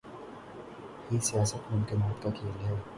ہی سیاست ممکنات کا کھیل ہے۔